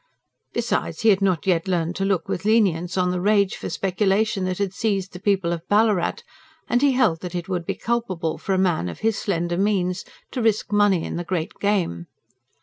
Besides, he had not yet learned to look with lenience on the rage for speculation that had seized the people of Ballarat; and he held that it would be culpable for a man of his slender means to risk money in the great game.